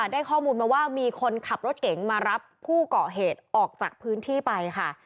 ได้ข้อมูลมาว่ามีคนขับรถเก๋งมารับผู้เกาะเหตุออกจากพื้นที่ไปค่ะ